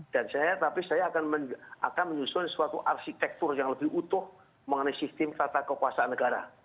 dan saya tapi saya akan menyusun suatu arsitektur yang lebih utuh mengenai sistem kata kekuasaan negara